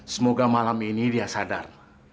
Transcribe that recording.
semoga malam ini dia sadar